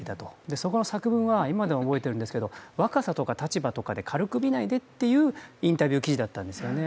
その作文は、今でも覚えてるんですけど、若さとか立場というものを軽く見ないでというインタビュー記事だったんですね。